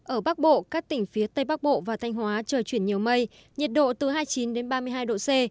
ở bắc bộ các tỉnh phía tây bắc bộ và thanh hóa trời chuyển nhiều mây nhiệt độ từ hai mươi chín ba mươi hai độ c